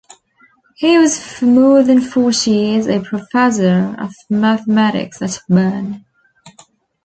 He was for more than forty years a professor of mathematics at Bern.